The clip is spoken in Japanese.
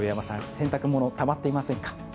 洗濯物たまっていませんか？